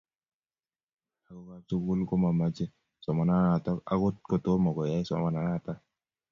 lagookab sugul komamache somananato agot kotomo koyae somananatok